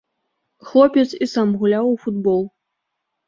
Хлопец і сам гуляў у футбол.